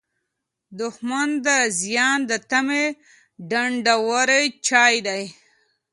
دښمن د زیان د تمې ډنډورچی دی